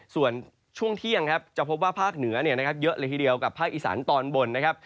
ส่วนช่วงเที่ยงครับจะพบว่าภาคเหนือเยอะเลยทีเดียวกับภาคอีสานตอนบนนะครับ